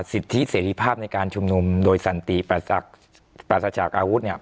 สิทธิเสรีภาพในการชุมนุมโดยสันติปราศจากอาวุธเนี่ย